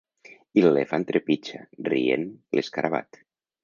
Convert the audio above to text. I l’elefant trepitja, rient, l’escarabat.